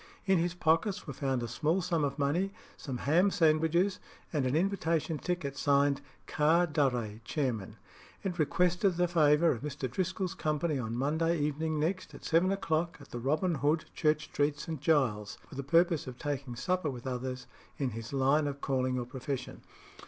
In his pockets were found a small sum of money, some ham sandwiches, and an invitation ticket signed "Car Durre, chairman." It requested the favour of Mr. Driscoll's company on Monday evening next, at seven o'clock, at the Robin Hood, Church Street, St. Giles's, for the purpose of taking supper with others in his line of calling or profession.